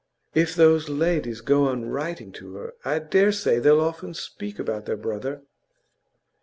'If those young ladies go on writing to her, I dare say they'll often speak about their brother.